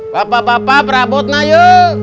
bapak bapak prabut nayo